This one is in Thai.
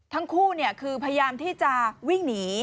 ทั้งคู่คือพยายามที่จะวิ่งหนี